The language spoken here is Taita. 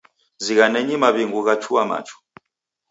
Zighanenyi maw'ingu ghachua machu.